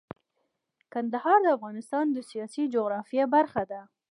کندهار د افغانستان د سیاسي جغرافیه برخه ده.